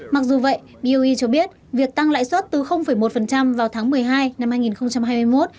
mặc dù vậy boe cho biết việc tăng lãi suất từ một vào tháng một mươi hai năm hai nghìn hai mươi một